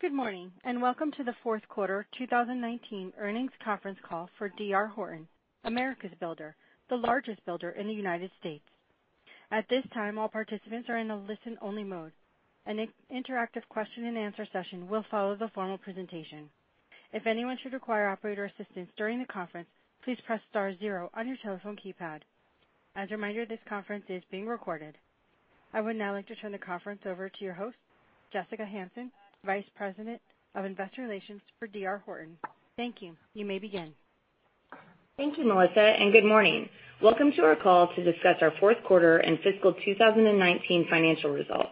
Good morning, and welcome to the fourth quarter 2019 earnings conference call for D.R. Horton, America's Builder, the largest builder in the United States. At this time, all participants are in a listen-only mode. An interactive question and answer session will follow the formal presentation. If anyone should require operator assistance during the conference, please press star zero on your telephone keypad. As a reminder, this conference is being recorded. I would now like to turn the conference over to your host, Jessica Hansen, Vice President of Investor Relations for D.R. Horton. Thank you. You may begin. Thank you, Melissa, and good morning. Welcome to our call to discuss our fourth quarter and fiscal 2019 financial results.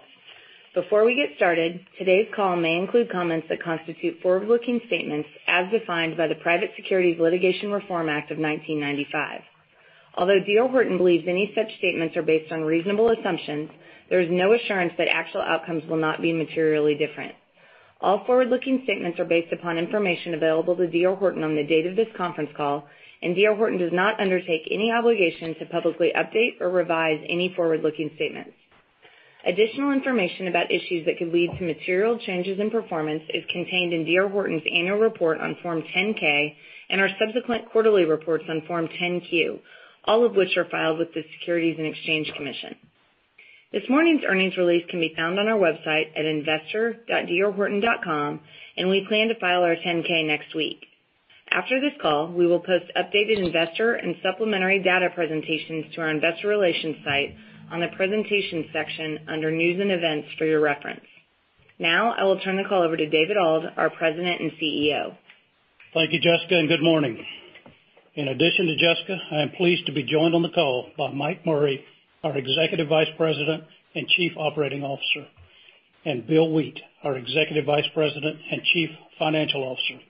Before we get started, today's call may include comments that constitute forward-looking statements as defined by the Private Securities Litigation Reform Act of 1995. Although D.R. Horton believes any such statements are based on reasonable assumptions, there is no assurance that actual outcomes will not be materially different. All forward-looking statements are based upon information available to D.R. Horton on the date of this conference call, and D.R. Horton does not undertake any obligation to publicly update or revise any forward-looking statements. Additional information about issues that could lead to material changes in performance is contained in D.R. Horton's annual report on Form 10-K and our subsequent quarterly reports on Form 10-Q, all of which are filed with the Securities and Exchange Commission. This morning's earnings release can be found on our website at investor.drhorton.com, and we plan to file our 10-K next week. After this call, we will post updated investor and supplementary data presentations to our investor relations site on the presentations section under news and events for your reference. Now, I will turn the call over to David V. Auld, our President and CEO. Thank you, Jessica, and good morning. In addition to Jessica, I am pleased to be joined on the call by Michael J. Murray, our Executive Vice President and Chief Operating Officer, and Bill W. Wheat, our Executive Vice President and Chief Financial Officer.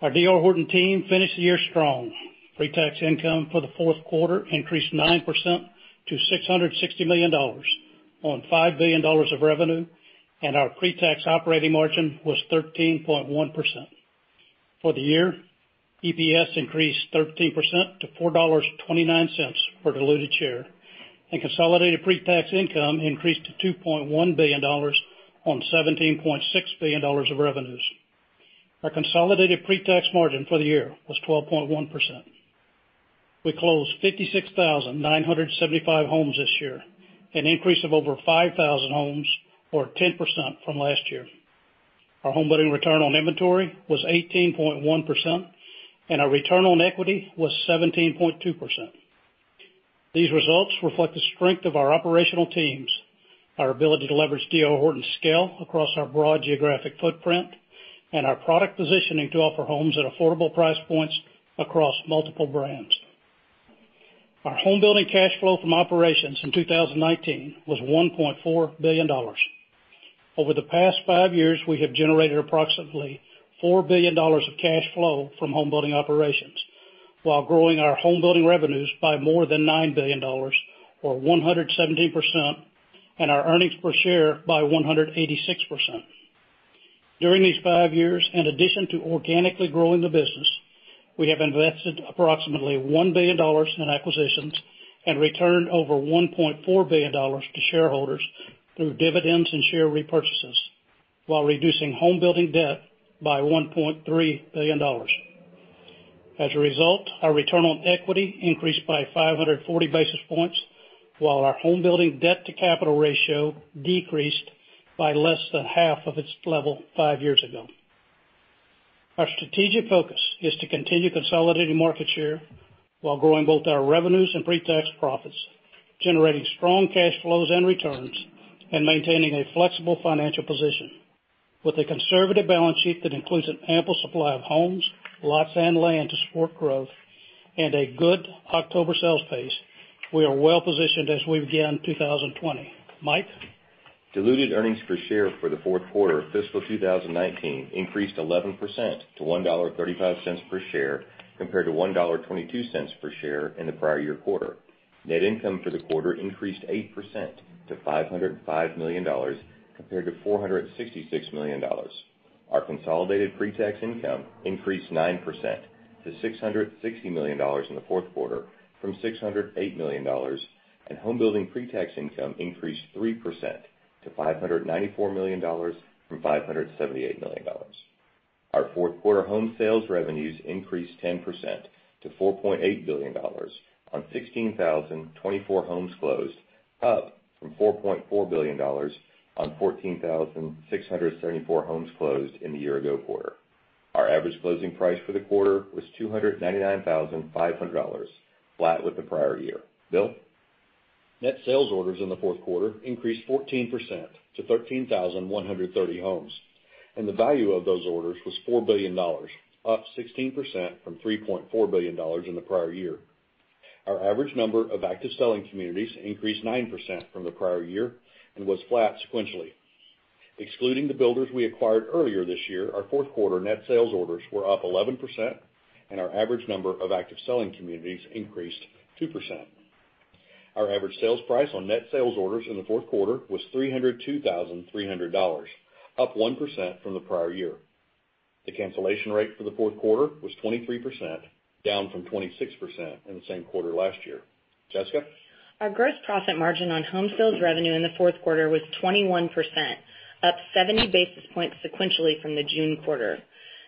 Our D.R. Horton team finished the year strong. Pre-tax income for the fourth quarter increased 9% to $660 million on $5 billion of revenue, and our pre-tax operating margin was 13.1%. For the year, EPS increased 13% to $4.29 per diluted share, and consolidated pre-tax income increased to $2.1 billion on $17.6 billion of revenues. Our consolidated pre-tax margin for the year was 12.1%. We closed 56,975 homes this year, an increase of over 5,000 homes or 10% from last year. Our homebuilding return on inventory was 18.1%, and our return on equity was 17.2%. These results reflect the strength of our operational teams, our ability to leverage D.R. Horton's scale across our broad geographic footprint, and our product positioning to offer homes at affordable price points across multiple brands. Our homebuilding cash flow from operations in 2019 was $1.4 billion. Over the past five years, we have generated approximately $4 billion of cash flow from homebuilding operations while growing our homebuilding revenues by more than $9 billion or 117%, and our earnings per share by 186%. During these five years, in addition to organically growing the business, we have invested approximately $1 billion in acquisitions and returned over $1.4 billion to shareholders through dividends and share repurchases while reducing homebuilding debt by $1.3 billion. As a result, our return on equity increased by 540 basis points, while our homebuilding debt-to-capital ratio decreased by less than half of its level five years ago. Our strategic focus is to continue consolidating market share while growing both our revenues and pre-tax profits, generating strong cash flows and returns, and maintaining a flexible financial position. With a conservative balance sheet that includes an ample supply of homes, lots, and land to support growth and a good October sales pace, we are well positioned as we begin 2020. Mike? Diluted earnings per share for the fourth quarter of fiscal 2019 increased 11% to $1.35 per share compared to $1.22 per share in the prior year quarter. Net income for the quarter increased 8% to $505 million compared to $466 million. Our consolidated pre-tax income increased 9% to $660 million in the fourth quarter from $608 million, and homebuilding pre-tax income increased 3% to $594 million from $578 million. Our fourth quarter home sales revenues increased 10% to $4.8 billion on 16,024 homes closed, up from $4.4 billion on 14,674 homes closed in the year-ago quarter. Our average closing price for the quarter was $299,500, flat with the prior year. Bill? Net sales orders in the fourth quarter increased 14% to 13,130 homes, and the value of those orders was $4 billion, up 16% from $3.4 billion in the prior year. Our average number of active selling communities increased 9% from the prior year and was flat sequentially. Excluding the builders we acquired earlier this year, our fourth quarter net sales orders were up 11%, and our average number of active selling communities increased 2%. Our average sales price on net sales orders in the fourth quarter was $302,300, up 1% from the prior year. The cancellation rate for the fourth quarter was 23%, down from 26% in the same quarter last year. Jessica? Our gross profit margin on home sales revenue in the fourth quarter was 21%, up 70 basis points sequentially from the June quarter.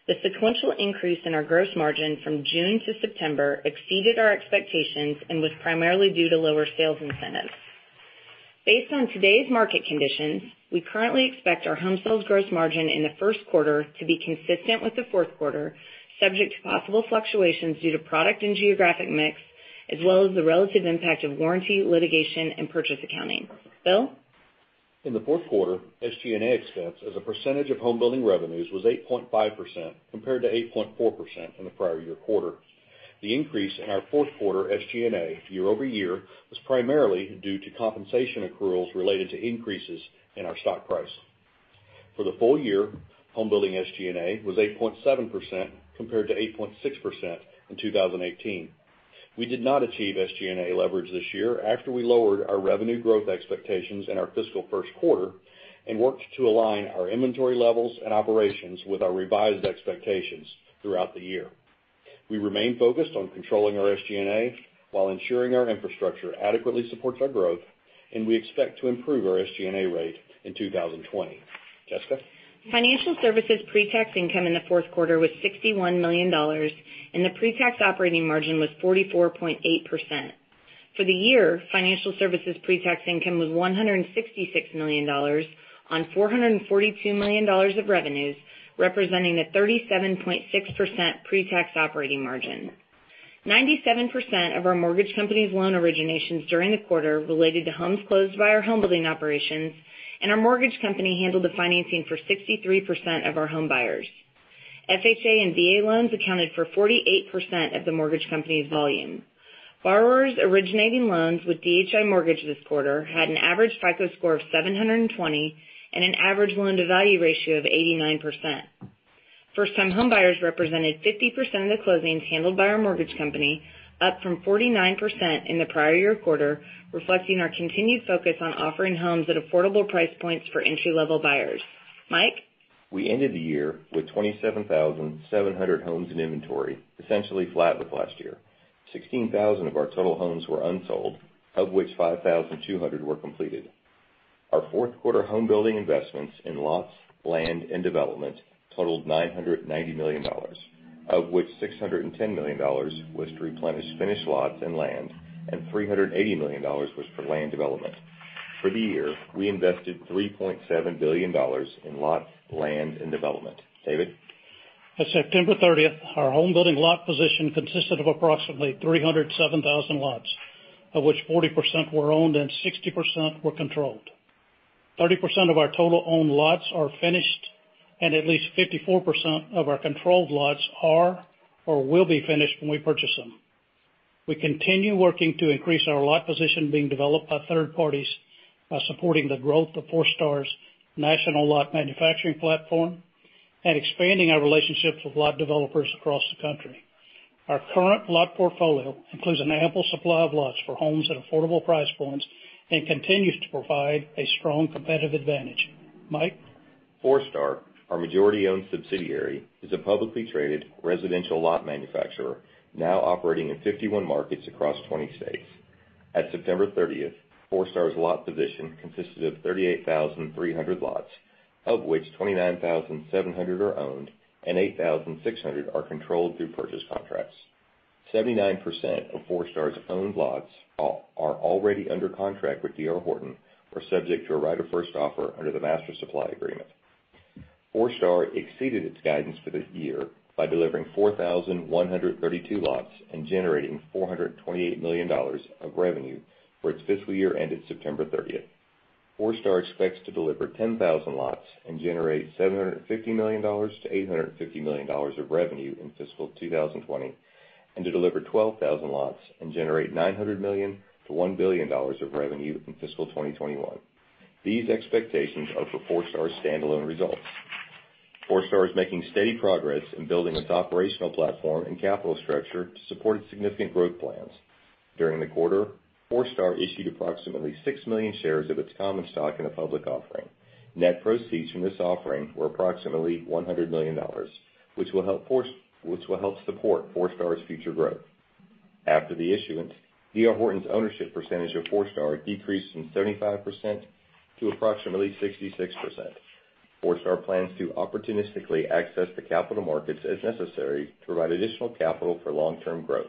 The sequential increase in our gross margin from June to September exceeded our expectations and was primarily due to lower sales incentives. Based on today's market conditions, we currently expect our home sales gross margin in the first quarter to be consistent with the fourth quarter, subject to possible fluctuations due to product and geographic mix, as well as the relative impact of warranty, litigation, and purchase accounting. Bill? In the fourth quarter, SG&A expense as a percentage of home building revenues was 8.5% compared to 8.4% in the prior year quarter. The increase in our fourth quarter SG&A year-over-year was primarily due to compensation accruals related to increases in our stock price. For the full year, home building SG&A was 8.7% compared to 8.6% in 2018. We did not achieve SG&A leverage this year after we lowered our revenue growth expectations in our fiscal first quarter and worked to align our inventory levels and operations with our revised expectations throughout the year. We remain focused on controlling our SG&A while ensuring our infrastructure adequately supports our growth, and we expect to improve our SG&A rate in 2020. Jessica? Financial services pre-tax income in the fourth quarter was $61 million, and the pre-tax operating margin was 44.8%. For the year, financial services pre-tax income was $166 million on $442 million of revenues, representing a 37.6% pre-tax operating margin. 97% of our mortgage company's loan originations during the quarter related to homes closed by our home building operations, and our mortgage company handled the financing for 63% of our home buyers. FHA and VA loans accounted for 48% of the mortgage company's volume. Borrowers originating loans with DHI Mortgage this quarter had an average FICO score of 720 and an average loan-to-value ratio of 89%. First-time homebuyers represented 50% of the closings handled by our mortgage company, up from 49% in the prior year quarter, reflecting our continued focus on offering homes at affordable price points for entry-level buyers. Mike? We ended the year with 27,700 homes in inventory, essentially flat with last year. 16,000 of our total homes were unsold, of which 5,200 were completed. Our fourth quarter home building investments in lots, land, and development totaled $990 million, of which $610 million was to replenish finished lots and land, and $380 million was for land development. For the year, we invested $3.7 billion in lot, land, and development. David? At September 30th, our home building lot position consisted of approximately 307,000 lots, of which 40% were owned and 60% were controlled. 30% of our total owned lots are finished, and at least 54% of our controlled lots are or will be finished when we purchase them. We continue working to increase our lot position being developed by third parties by supporting the growth of Forestar's national lot manufacturing platform and expanding our relationships with lot developers across the country. Our current lot portfolio includes an ample supply of lots for homes at affordable price points and continues to provide a strong competitive advantage. Mike? Forestar Group, our majority-owned subsidiary, is a publicly traded residential lot manufacturer now operating in 51 markets across 20 states. At September 30th, Forestar's lot position consisted of 38,300 lots, of which 29,700 are owned and 8,600 are controlled through purchase contracts. 79% of Forestar's owned lots are already under contract with D.R. Horton or subject to a right of first offer under the master supply agreement. Forestar Group exceeded its guidance for the year by delivering 4,132 lots and generating $428 million of revenue for its fiscal year ended September 30th. Forestar Group expects to deliver 10,000 lots and generate $750 million-$850 million of revenue in fiscal 2020, and to deliver 12,000 lots and generate $900 million-$1 billion of revenue in fiscal 2021. These expectations are for Forestar's standalone results. Forestar Group is making steady progress in building its operational platform and capital structure to support its significant growth plans. During the quarter, Forestar Group issued approximately six million shares of its common stock in a public offering. Net proceeds from this offering were approximately $100 million, which will help support Forestar's future growth. After the issuance, D.R. Horton's ownership percentage of Forestar decreased from 75% to approximately 66%. Forestar Group plans to opportunistically access the capital markets as necessary to provide additional capital for long-term growth.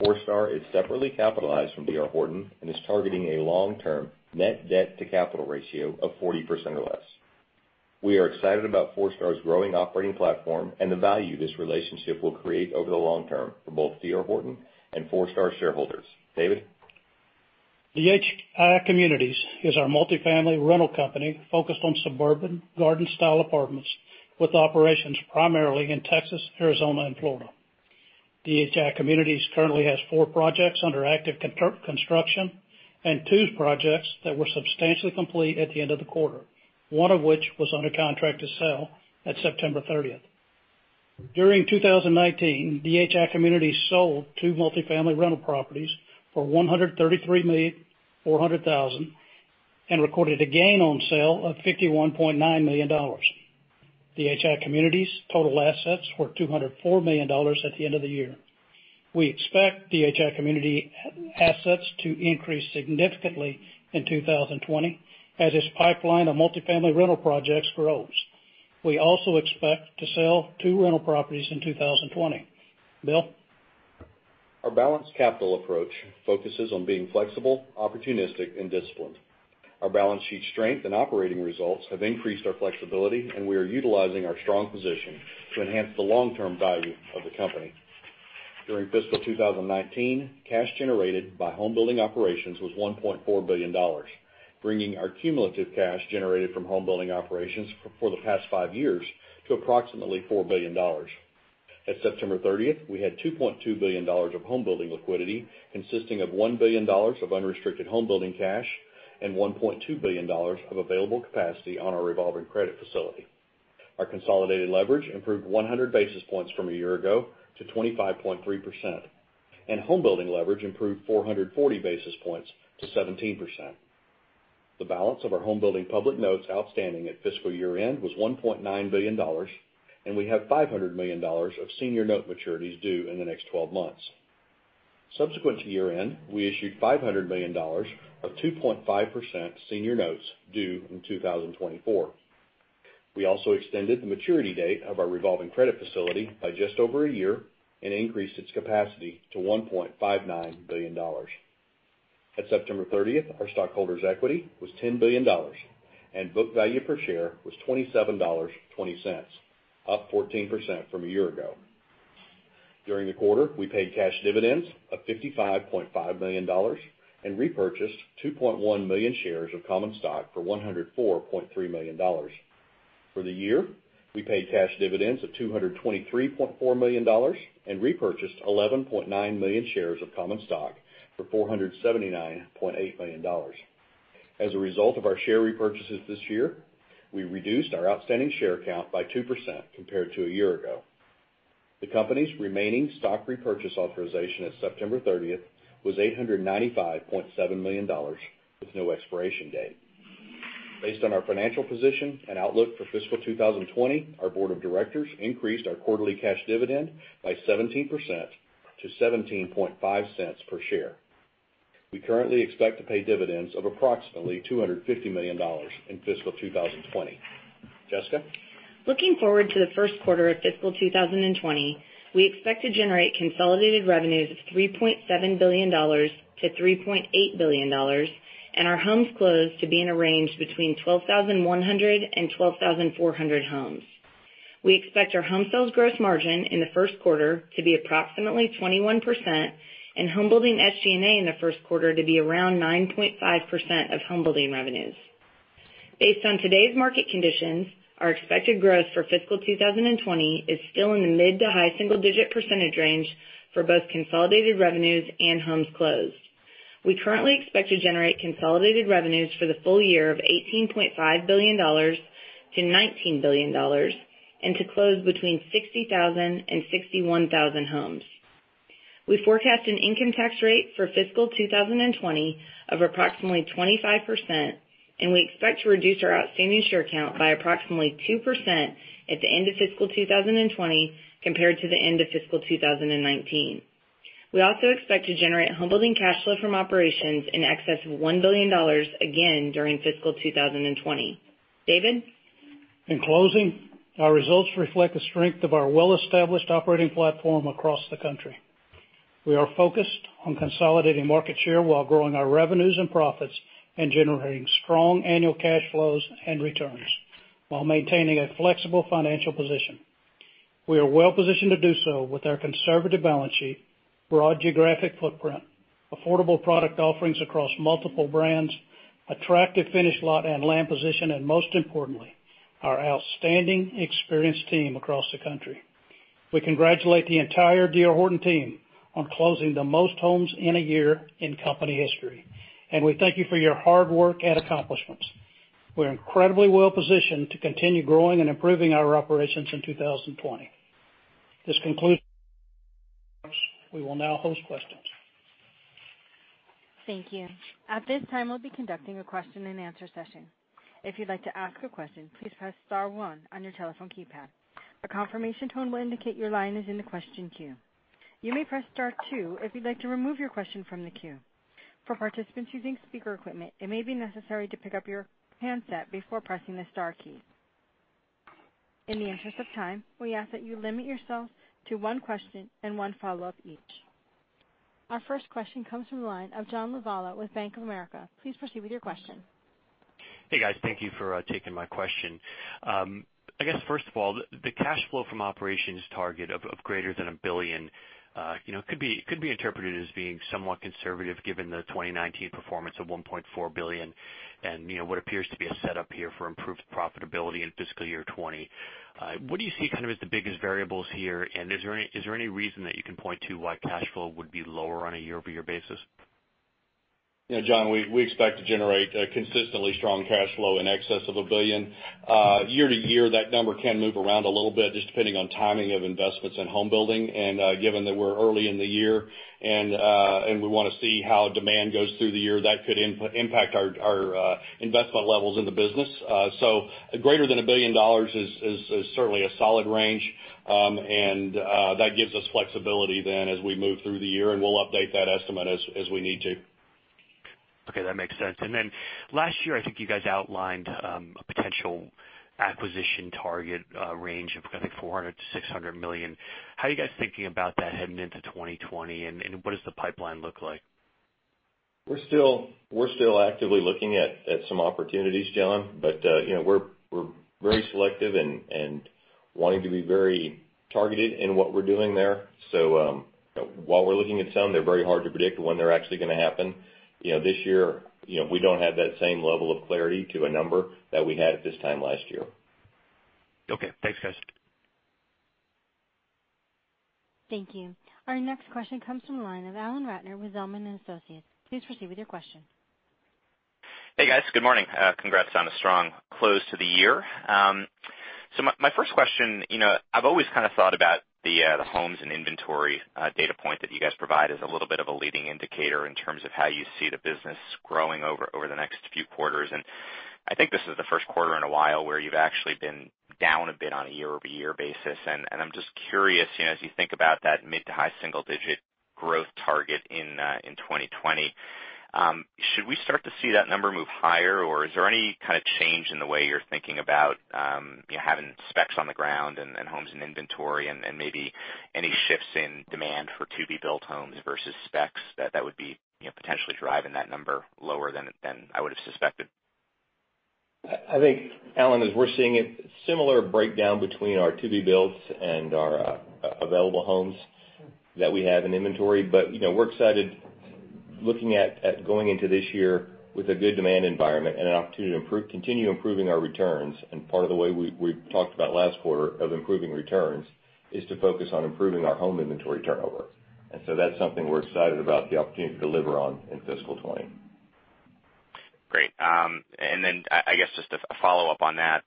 Forestar is separately capitalized from D.R. Horton and is targeting a long-term net debt-to-capital ratio of 40% or less. We are excited about Forestar's growing operating platform and the value this relationship will create over the long term for both D.R. Horton and Forestar Group shareholders. David? DHI Communities is our multifamily rental company focused on suburban garden-style apartments with operations primarily in Texas, Arizona, and Florida. DHI Communities currently has four projects under active construction and two projects that were substantially complete at the end of the quarter, one of which was under contract to sell at September 30th. During 2019, DHI Communities sold two multifamily rental properties for $133,400,000 and recorded a gain on sale of $51.9 million. DHI Communities' total assets were $204 million at the end of the year. We expect DHI Communities assets to increase significantly in 2020 as its pipeline of multifamily rental projects grows. We also expect to sell two rental properties in 2020. Bill? Our balanced capital approach focuses on being flexible, opportunistic, and disciplined. Our balance sheet strength and operating results have increased our flexibility, and we are utilizing our strong position to enhance the long-term value of the company. During fiscal 2019, cash generated by homebuilding operations was $1.4 billion, bringing our cumulative cash generated from homebuilding operations for the past five years to approximately $4 billion. At September 30th, we had $2.2 billion of homebuilding liquidity, consisting of $1 billion of unrestricted homebuilding cash and $1.2 billion of available capacity on our revolving credit facility. Our consolidated leverage improved 100 basis points from a year ago to 25.3%, and homebuilding leverage improved 440 basis points to 17%. The balance of our homebuilding public notes outstanding at fiscal year-end was $1.9 billion, and we have $500 million of senior note maturities due in the next 12 months. Subsequent to year-end, we issued $500 million of 2.5% senior notes due in 2024. We also extended the maturity date of our revolving credit facility by just over a year and increased its capacity to $1.59 billion. At September 30th, our stockholders' equity was $10 billion and book value per share was $27.20, up 14% from a year ago. During the quarter, we paid cash dividends of $55.5 million and repurchased 2.1 million shares of common stock for $104.3 million. For the year, we paid cash dividends of $223.4 million and repurchased 11.9 million shares of common stock for $479.8 million. As a result of our share repurchases this year, we reduced our outstanding share count by 2% compared to a year ago. The company's remaining stock repurchase authorization at September 30th was $895.7 million, with no expiration date. Based on our financial position and outlook for fiscal 2020, our board of directors increased our quarterly cash dividend by 17% to $0.175 per share. We currently expect to pay dividends of approximately $250 million in fiscal 2020. Jessica? Looking forward to the first quarter of fiscal 2020, we expect to generate consolidated revenues of $3.7 billion-$3.8 billion, and our homes closed to be in a range between 12,100 and 12,400 homes. We expect our home sales gross margin in the first quarter to be approximately 21% and homebuilding SG&A in the first quarter to be around 9.5% of homebuilding revenues. Based on today's market conditions, our expected growth for fiscal 2020 is still in the mid to high single-digit percentage range for both consolidated revenues and homes closed. We currently expect to generate consolidated revenues for the full year of $18.5 billion-$19 billion and to close between 60,000 and 61,000 homes. We forecast an income tax rate for fiscal 2020 of approximately 25%, and we expect to reduce our outstanding share count by approximately 2% at the end of fiscal 2020 compared to the end of fiscal 2019. We also expect to generate homebuilding cash flow from operations in excess of $1 billion again during fiscal 2020. David? In closing, our results reflect the strength of our well-established operating platform across the country. We are focused on consolidating market share while growing our revenues and profits and generating strong annual cash flows and returns while maintaining a flexible financial position. We are well-positioned to do so with our conservative balance sheet, broad geographic footprint, affordable product offerings across multiple brands, attractive finished lot and land position, and most importantly, our outstanding experienced team across the country. We congratulate the entire D.R. Horton team on closing the most homes in a year in company history, and we thank you for your hard work and accomplishments. We're incredibly well-positioned to continue growing and improving our operations in 2020. This concludes. We will now host questions. Thank you. At this time, we'll be conducting a question-and-answer session. If you'd like to ask a question, please press star one on your telephone keypad. A confirmation tone will indicate your line is in the question queue. You may press star two if you'd like to remove your question from the queue. For participants using speaker equipment, it may be necessary to pick up your handset before pressing the star key. In the interest of time, we ask that you limit yourself to one question and one follow-up each. Our first question comes from the line of John Lovallo with Bank of America. Please proceed with your question. Hey, guys. Thank you for taking my question. I guess first of all, the cash flow from operations target of greater than $1 billion could be interpreted as being somewhat conservative given the 2019 performance of $1.4 billion and what appears to be a setup here for improved profitability in fiscal year 2020. What do you see as the biggest variables here, and is there any reason that you can point to why cash flow would be lower on a year-over-year basis? Yeah, John, we expect to generate a consistently strong cash flow in excess of $1 billion. Year to year, that number can move around a little bit just depending on timing of investments in home building. Given that we're early in the year and we want to see how demand goes through the year, that could impact our investment levels in the business. Greater than $1 billion is certainly a solid range, and that gives us flexibility then as we move through the year, and we'll update that estimate as we need to. Okay, that makes sense. Last year, I think you guys outlined a potential acquisition target range of, I think, $400 million-$600 million. How are you guys thinking about that heading into 2020 and what does the pipeline look like? We're still actively looking at some opportunities, John. We're very selective and wanting to be very targeted in what we're doing there. While we're looking at some, they're very hard to predict when they're actually going to happen. This year, we don't have that same level of clarity to a number that we had at this time last year. Okay, thanks, guys. Thank you. Our next question comes from the line of Alan Ratner with Zelman & Associates. Please proceed with your question. Hey, guys. Good morning. Congrats on a strong close to the year. My first question, I've always kind of thought about the homes and inventory data point that you guys provide as a little bit of a leading indicator in terms of how you see the business growing over the next few quarters. I think this is the first quarter in a while where you've actually been down a bit on a year-over-year basis. I'm just curious, as you think about that mid to high single digit growth target in 2020, should we start to see that number move higher? Is there any kind of change in the way you're thinking about having specs on the ground and homes in inventory and maybe any shifts in demand for to-be-built homes versus specs, that would be potentially driving that number lower than I would've suspected? I think, Alan, as we're seeing it, similar breakdown between our to-be-built and our available homes that we have in inventory. We're excited looking at going into this year with a good demand environment and an opportunity to continue improving our returns. Part of the way we talked about last quarter of improving returns is to focus on improving our home inventory turnover. That's something we're excited about the opportunity to deliver on in fiscal 2020. Great. I guess just a follow-up on that.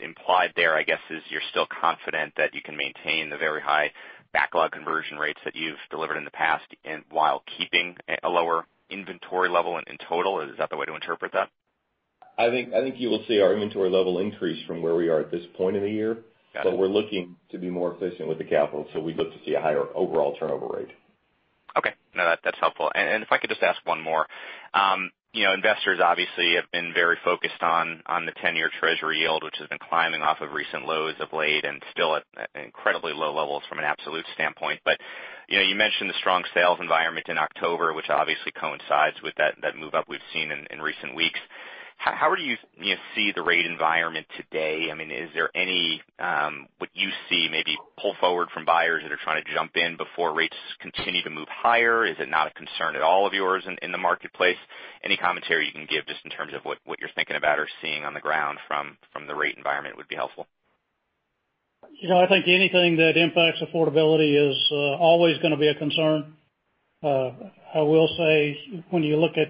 Implied there, I guess, is you're still confident that you can maintain the very high backlog conversion rates that you've delivered in the past and while keeping a lower inventory level in total. Is that the way to interpret that? I think you will see our inventory level increase from where we are at this point in the year. Got it. We're looking to be more efficient with the capital, so we look to see a higher overall turnover rate. Okay. No, that's helpful. If I could just ask one more. Investors obviously have been very focused on the 10-year Treasury yield, which has been climbing off of recent lows of late and still at incredibly low levels from an absolute standpoint. You mentioned the strong sales environment in October, which obviously coincides with that move-up we've seen in recent weeks. How do you see the rate environment today? Would you see maybe pull forward from buyers that are trying to jump in before rates continue to move higher? Is it not a concern at all of yours in the marketplace? Any commentary you can give just in terms of what you're thinking about or seeing on the ground from the rate environment would be helpful. I think anything that impacts affordability is always going to be a concern. I will say, when you look at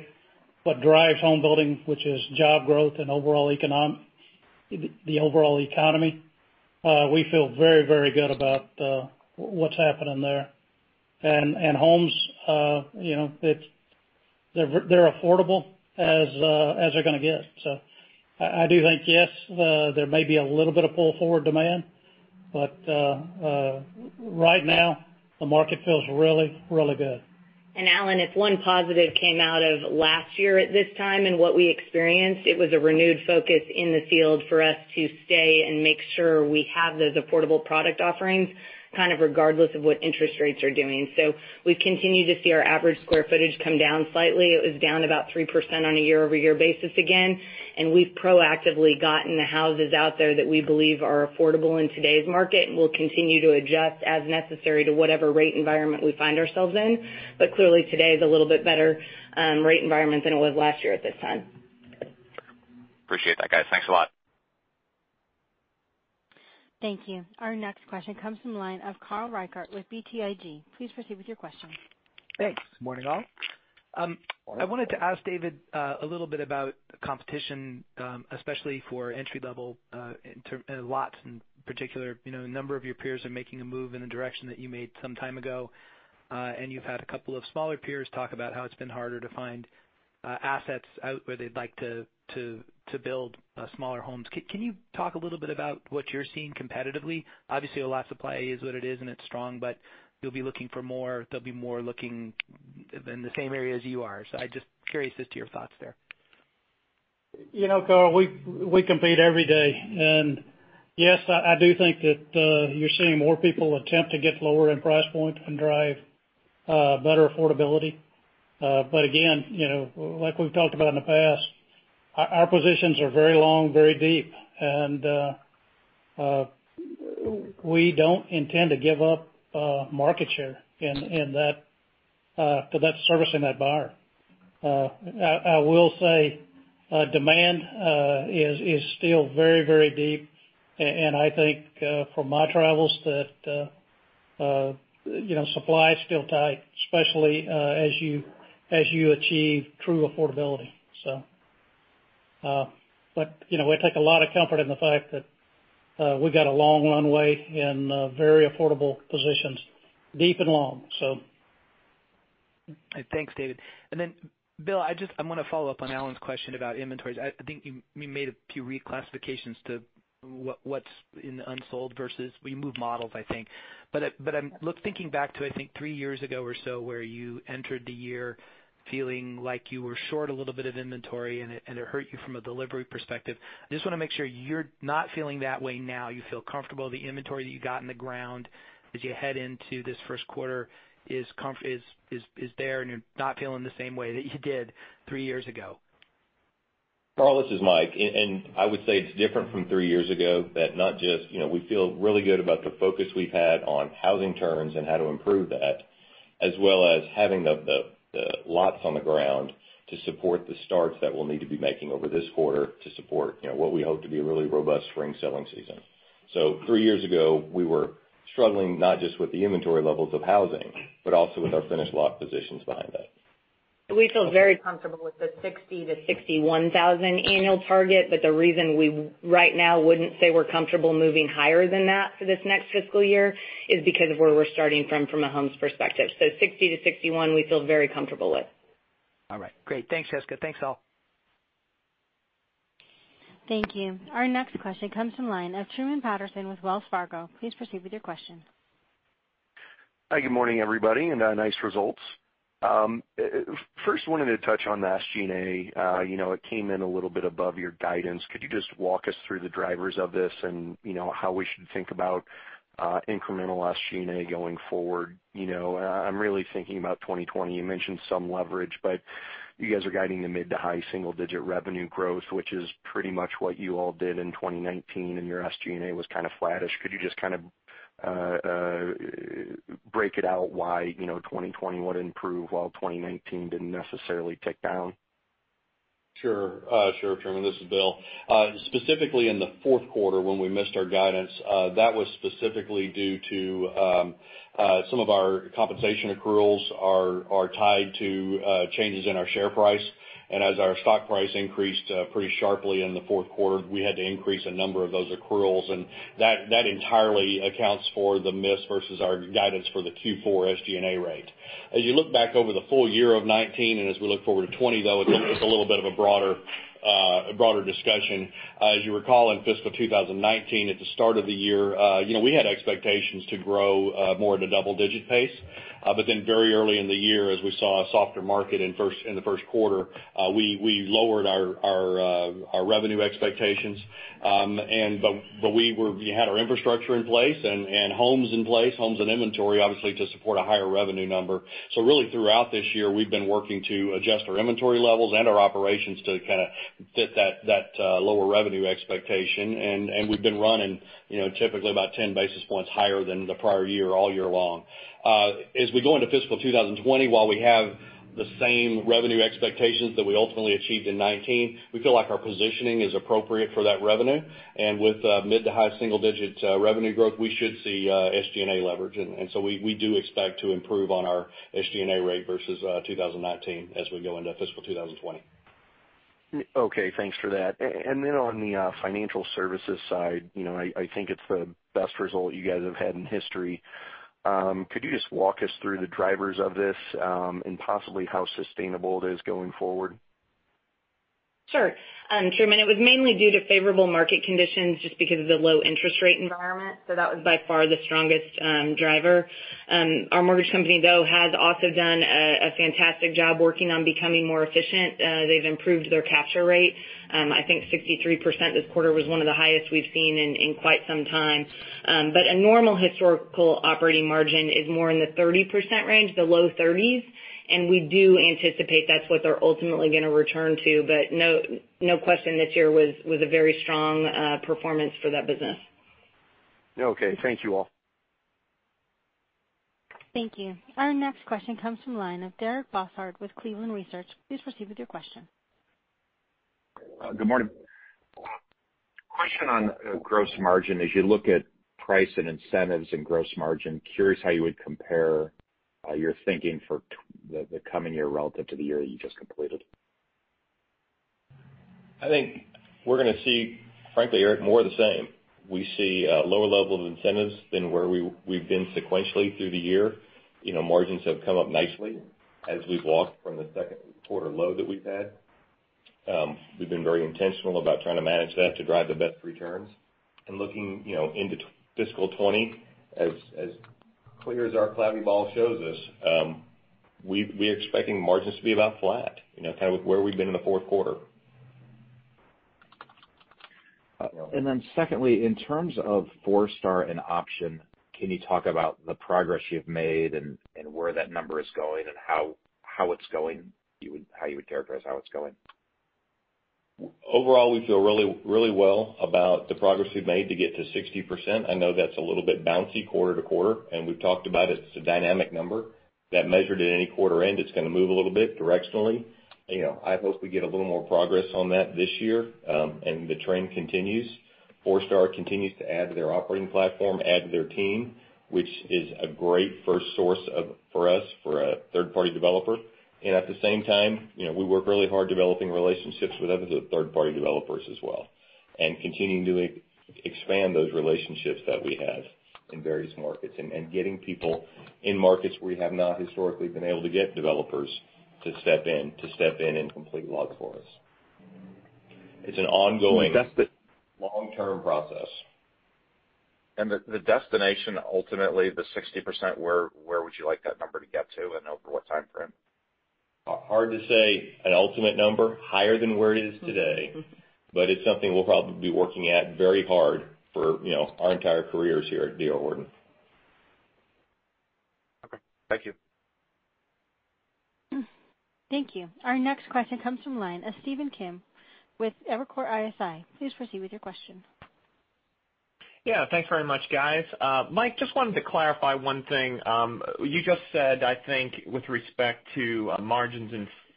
what drives homebuilding, which is job growth and the overall economy, we feel very, very good about what's happening there. Homes, they're affordable as they're going to get. I do think, yes, there may be a little bit of pull-forward demand, but right now, the market feels really, really good. Alan, if one positive came out of last year at this time and what we experienced, it was a renewed focus in the field for us to stay and make sure we have those affordable product offerings, kind of regardless of what interest rates are doing. We've continued to see our average square footage come down slightly. It was down about 3% on a year-over-year basis again. We've proactively gotten the houses out there that we believe are affordable in today's market. We'll continue to adjust as necessary to whatever rate environment we find ourselves in. Clearly today is a little bit better rate environment than it was last year at this time. Appreciate that, guys. Thanks a lot. Thank you. Our next question comes from the line of Carl Reichardt with BTIG. Please proceed with your question. Thanks. Morning, all. I wanted to ask David a little bit about competition, especially for entry-level lots in particular. A number of your peers are making a move in a direction that you made some time ago. You've had a couple of smaller peers talk about how it's been harder to find assets out where they'd like to build smaller homes. Can you talk a little bit about what you're seeing competitively? Obviously, lot supply is what it is, and it's strong, but you'll be looking for more, they'll be more looking in the same areas you are. I'm just curious as to your thoughts there. Carl, we compete every day. Yes, I do think that you're seeing more people attempt to get lower in price point and drive better affordability. Again, like we've talked about in the past, our positions are very long, very deep. We don't intend to give up market share for that service and that buyer. I will say demand is still very, very deep. I think from my travels that supply is still tight, especially as you achieve true affordability. We take a lot of comfort in the fact that we've got a long runway and very affordable positions, deep and long. Thanks, David. Bill, I want to follow up on Alan's question about inventories. I think you made a few reclassifications to what's in unsold versus (we removed models), I think. Thinking back to, I think, three years ago or so where you entered the year feeling like you were short a little bit of inventory and it hurt you from a delivery perspective, I just want to make sure you're not feeling that way now. You feel comfortable the inventory that you got in the ground as you head into this first quarter is there, and you're not feeling the same way that you did three years ago. Carl, this is Mike. I would say it's different from three years ago, that not just we feel really good about the focus we've had on housing turns and how to improve that, as well as having the lots on the ground to support the starts that we'll need to be making over this quarter to support what we hope to be a really robust spring selling season. Three years ago, we were struggling not just with the inventory levels of housing, but also with our finished lot positions behind that. We feel very comfortable with the 60,000-61,000 annual target, the reason we right now wouldn't say we're comfortable moving higher than that for this next fiscal year is because of where we're starting from a homes perspective. 60,000-61,000 we feel very comfortable with. All right. Great. Thanks, Jessica. Thanks, all. Thank you. Our next question comes from the line of Truman Patterson with Wells Fargo. Please proceed with your question. Hi, good morning, everybody, and nice results. First wanted to touch on the SG&A. It came in a little bit above your guidance. Could you just walk us through the drivers of this and how we should think about incremental SG&A going forward? I'm really thinking about 2020. You mentioned some leverage, but you guys are guiding the mid to high single-digit revenue growth, which is pretty much what you all did in 2019, and your SG&A was kind of flattish. Could you just break it out why 2020 would improve while 2019 didn't necessarily tick down? Sure. Truman, this is Bill. Specifically in the fourth quarter when we missed our guidance, that was specifically due to some of our compensation accruals are tied to changes in our share price. As our stock price increased pretty sharply in the fourth quarter, we had to increase a number of those accruals, and that entirely accounts for the miss versus our guidance for the Q4 SG&A rate. As you look back over the full year of 2019, and as we look forward to 2020, though, it's a little bit of a broader discussion. As you recall, in fiscal 2019, at the start of the year, we had expectations to grow more at a double-digit pace. Very early in the year, as we saw a softer market in the first quarter, we lowered our revenue expectations. We had our infrastructure in place and homes in place, homes and inventory, obviously, to support a higher revenue number. Really throughout this year, we've been working to adjust our inventory levels and our operations to fit that lower revenue expectation. We've been running typically about 10 basis points higher than the prior year all year long. As we go into fiscal 2020, while we have the same revenue expectations that we ultimately achieved in 2019, we feel like our positioning is appropriate for that revenue. With mid to high single-digit revenue growth, we should see SG&A leverage. We do expect to improve on our SG&A rate versus 2019 as we go into fiscal 2020. Okay, thanks for that. On the financial services side, I think it's the best result you guys have had in history. Could you just walk us through the drivers of this and possibly how sustainable it is going forward? Sure. Truman, it was mainly due to favorable market conditions just because of the low interest rate environment. That was by far the strongest driver. Our mortgage company, though, has also done a fantastic job working on becoming more efficient. They've improved their capture rate. I think 63% this quarter was one of the highest we've seen in quite some time. A normal historical operating margin is more in the 30% range, the low 30%s, and we do anticipate that's what they're ultimately going to return to, but no question this year was a very strong performance for that business. Okay. Thank you all. Thank you. Our next question comes from the line of Eric Bosshard with Cleveland Research. Please proceed with your question. Good morning. Question on gross margin. As you look at price and incentives and gross margin, curious how you would compare your thinking for the coming year relative to the year you just completed? I think we're going to see, frankly, Eric, more of the same. We see a lower level of incentives than where we've been sequentially through the year. Margins have come up nicely as we've walked from the second quarter low that we've had. We've been very intentional about trying to manage that to drive the best returns. Looking into fiscal '20, as clear as our cloudy ball shows us, we are expecting margins to be about flat, kind of where we've been in the fourth quarter. Secondly, in terms of Forestar Group and option, can you talk about the progress you've made and where that number is going and how you would characterize how it's going? Overall, we feel really well about the progress we've made to get to 60%. I know that's a little bit bouncy quarter to quarter, and we've talked about it. It's a dynamic number that measured at any quarter end, it's going to move a little bit directionally. I hope we get a little more progress on that this year, and the trend continues. Forestar continues to add to their operating platform, add to their team, which is a great first source for us for a third-party developer. At the same time, we work really hard developing relationships with other third-party developers as well, and continuing to expand those relationships that we have in various markets, and getting people in markets where we have not historically been able to get developers to step in, and complete lots for us. It's an ongoing long-term process. The destination, ultimately, the 60%, where would you like that number to get to, and over what timeframe? Hard to say an ultimate number. Higher than where it is today. It's something we'll probably be working at very hard for our entire careers here at D.R. Horton. Okay. Thank you. Thank you. Our next question comes from line of Stephen Kim with Evercore ISI. Please proceed with your question. Yeah. Thanks very much, guys. Mike, just wanted to clarify one thing. You just said, I think, with respect to margins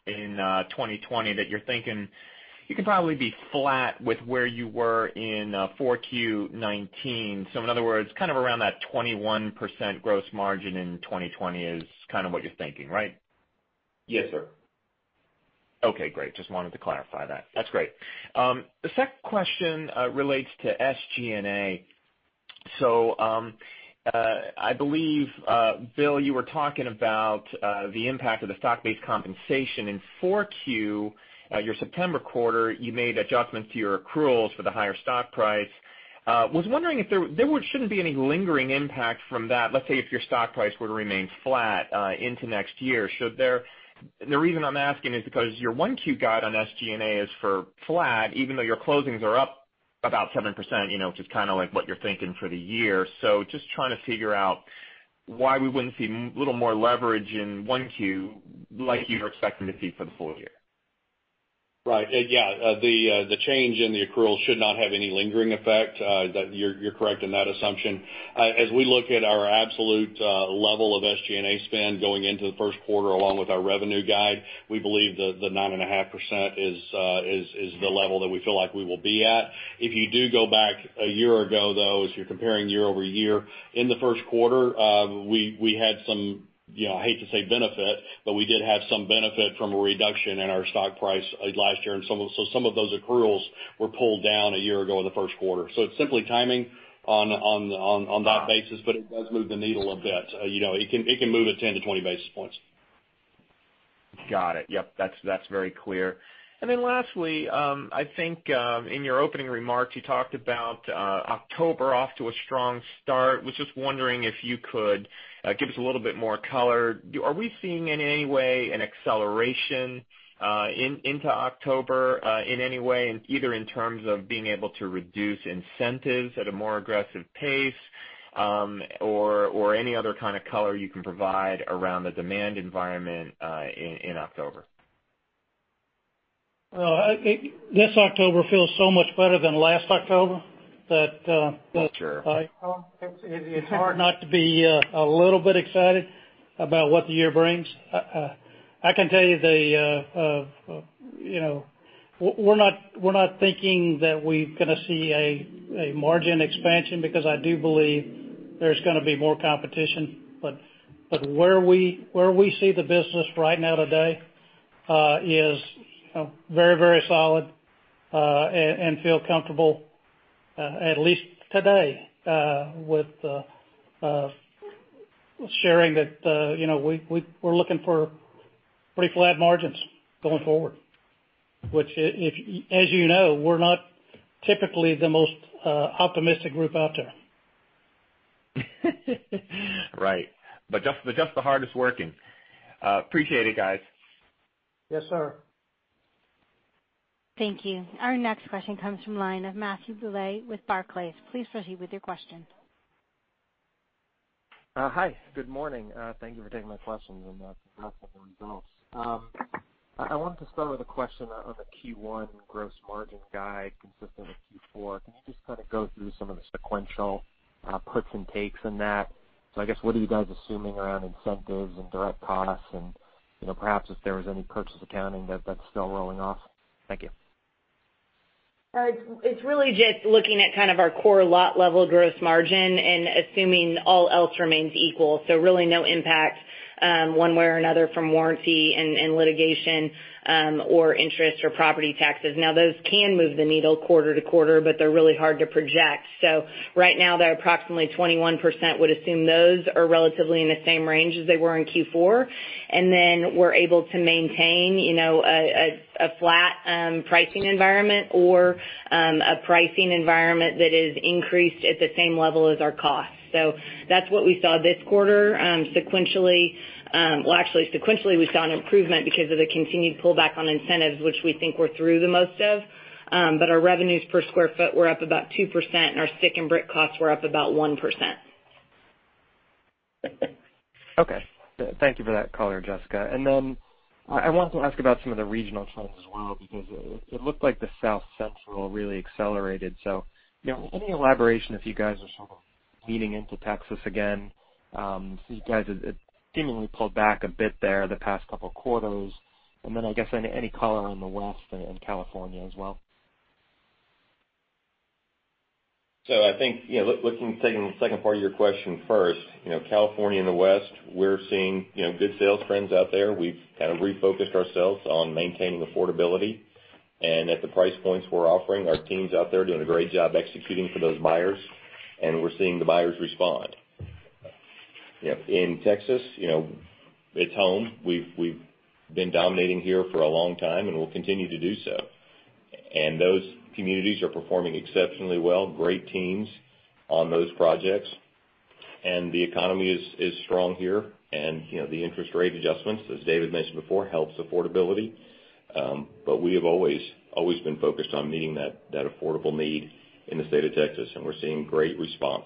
in 2020, that you're thinking you could probably be flat with where you were in 4Q19. In other words, kind of around that 21% gross margin in 2020 is kind of what you're thinking, right? Yes, sir. Okay, great. Just wanted to clarify that. That's great. The second question relates to SG&A. I believe, Bill, you were talking about the impact of the stock-based compensation in 4Q. Your September quarter, you made adjustments to your accruals for the higher stock price. Was wondering if there shouldn't be any lingering impact from that, let's say, if your stock price were to remain flat into next year? The reason I'm asking is because your 1Q guide on SG&A is for flat, even though your closings are up about 7%, which is kind of like what you're thinking for the year. Just trying to figure out why we wouldn't see little more leverage in 1Q like you're expecting to see for the full year. Right. Yeah. The change in the accrual should not have any lingering effect. You're correct in that assumption. As we look at our absolute level of SG&A spend going into the first quarter, along with our revenue guide, we believe the 9.5% is the level that we feel like we will be at. If you do go back a year ago, though, as you're comparing year-over-year, in the first quarter, we had some, I hate to say benefit, but we did have some benefit from a reduction in our stock price last year. Some of those accruals were pulled down a year ago in the first quarter. It's simply timing on that basis, but it does move the needle a bit. It can move it 10-20 basis points. Got it. Yep, that's very clear. Then lastly, I think, in your opening remarks, you talked about October off to a strong start. I was just wondering if you could give us a little bit more color. Are we seeing in any way an acceleration into October in any way, either in terms of being able to reduce incentives at a more aggressive pace, or any other kind of color you can provide around the demand environment, in October? This October feels so much better than last October. Sure it's hard not to be a little bit excited about what the year brings. I can tell you we're not thinking that we're going to see a margin expansion, because I do believe there's going to be more competition. Where we see the business right now today is very solid, and feel comfortable, at least today, with sharing that we're looking for pretty flat margins going forward, which, as you know, we're not typically the most optimistic group out there. Right. Just the hardest working. Appreciate it, guys. Yes, sir. Thank you. Our next question comes from line of Matthew Bouley with Barclays. Please proceed with your question. Hi. Good morning. Thank you for taking my questions and congrats on the results. I wanted to start with a question on the Q1 gross margin guide consistent with Q4. Can you just kind of go through some of the sequential puts and takes in that? I guess what are you guys assuming around incentives and direct costs and perhaps if there was any purchase accounting that's still rolling off? Thank you. It's really just looking at kind of our core lot level gross margin and assuming all else remains equal. Really no impact one way or another from warranty and litigation, or interest or property taxes. Now, those can move the needle quarter to quarter, but they're really hard to project. Right now, they're approximately 21%, would assume those are relatively in the same range as they were in Q4. Then we're able to maintain a flat pricing environment or a pricing environment that is increased at the same level as our costs. That's what we saw this quarter. Actually, sequentially, we saw an improvement because of the continued pullback on incentives, which we think we're through the most of. Our revenues per square foot were up about 2%, and our stick and brick costs were up about 1%. Okay. Thank you for that color, Jessica. I wanted to ask about some of the regional trends as well, because it looked like the South Central really accelerated. Any elaboration if you guys are sort of leaning into Texas again? You guys have seemingly pulled back a bit there the past couple quarters. I guess, any color on the West and California as well. I think, taking the second part of your question first, California and the West, we're seeing good sales trends out there. We've kind of refocused ourselves on maintaining affordability. At the price points we're offering, our team's out there doing a great job executing for those buyers, and we're seeing the buyers respond. In Texas, it's home. We've been dominating here for a long time, and we'll continue to do so. Those communities are performing exceptionally well, great teams on those projects. The economy is strong here, and the interest rate adjustments, as David mentioned before, helps affordability. We have always been focused on meeting that affordable need in the state of Texas, and we're seeing great response.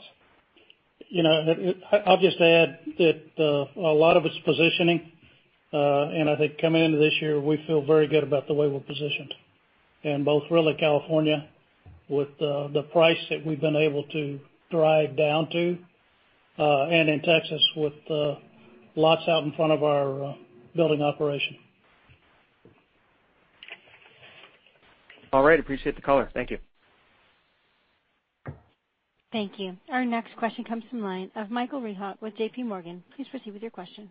I'll just add that a lot of it's positioning. I think coming into this year, we feel very good about the way we're positioned. In both really California with the price that we've been able to drive down to, and in Texas with lots out in front of our building operation. All right. Appreciate the color. Thank you. Thank you. Our next question comes from the line of Michael Rehaut with JPMorgan. Please proceed with your question.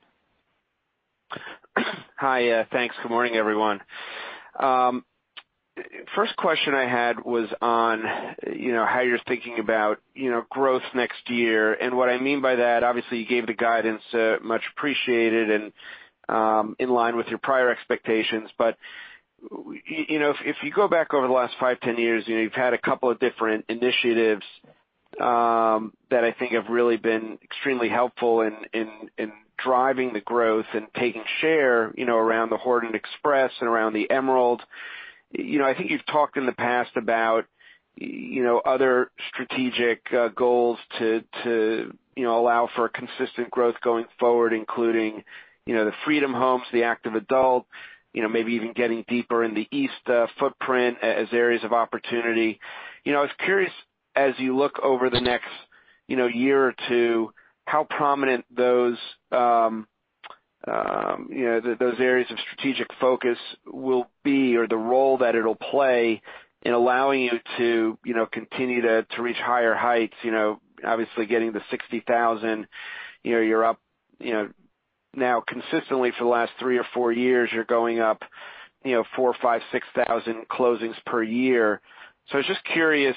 Hi. Thanks. Good morning, everyone. First question I had was on how you're thinking about growth next year. What I mean by that, obviously, you gave the guidance, much appreciated, and in line with your prior expectations. If you go back over the last five, 10 years, you've had a couple of different initiatives that I think have really been extremely helpful in driving the growth and taking share around the Express Homes and around the Emerald Homes. I think you've talked in the past about other strategic goals to allow for consistent growth going forward, including the Freedom Homes, the active adult, maybe even getting deeper in the east footprint as areas of opportunity. I was curious, as you look over the next year or two, how prominent those areas of strategic focus will be, or the role that it'll play in allowing you to continue to reach higher heights. Obviously getting to 60,000, now consistently for the last three or four years, you're going up 4,000 or 5,000 or 6,000 closings per year. I was just curious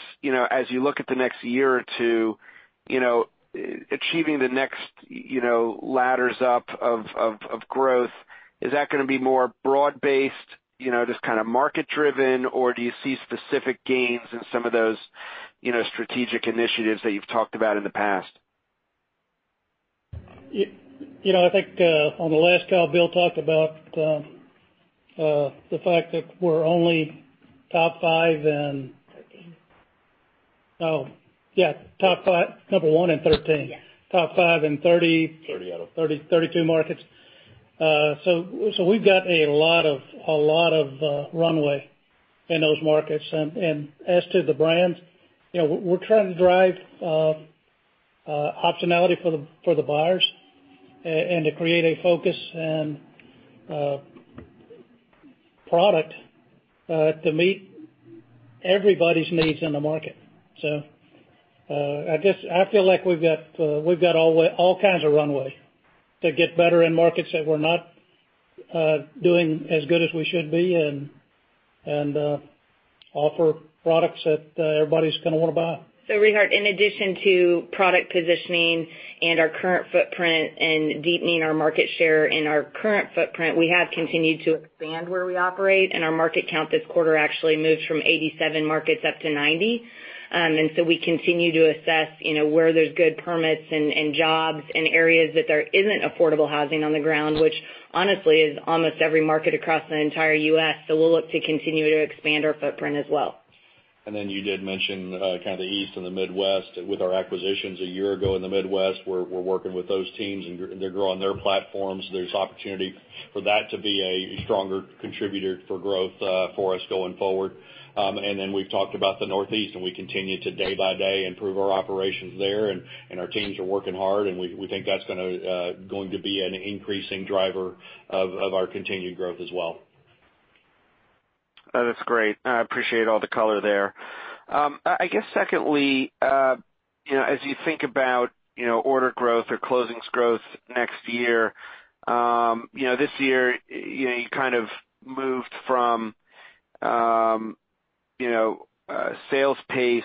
as you look at the next year or two, achieving the next ladders up of growth, is that going to be more broad-based, just kind of market driven, or do you see specific gains in some of those strategic initiatives that you've talked about in the past? I think on the last call, Bill talked about the fact that we're only top five. 13. Oh, yeah. Top five. Number one and 13. Yeah. Top five in 30- 30 out of 32 markets. We've got a lot of runway in those markets. As to the brands, we're trying to drive optionality for the buyers and to create a focus and product to meet everybody's needs in the market. I feel like we've got all kinds of runway to get better in markets that we're not doing as good as we should be and offer products that everybody's going to want to buy. Rehaut, in addition to product positioning and our current footprint and deepening our market share in our current footprint, we have continued to expand where we operate, and our market count this quarter actually moved from 87 markets up to 90. We continue to assess where there's good permits and jobs in areas that there isn't affordable housing on the ground, which honestly is almost every market across the entire U.S., so we'll look to continue to expand our footprint as well. You did mention kind of the East and the Midwest. With our acquisitions a year ago in the Midwest, we're working with those teams, and they're growing their platforms. There's opportunity for that to be a stronger contributor for growth for us going forward. We've talked about the Northeast, and we continue to day by day improve our operations there, and our teams are working hard, and we think that's going to be an increasing driver of our continued growth as well. That's great. I appreciate all the color there. Secondly, as you think about order growth or closings growth next year, this year you kind of moved from sales pace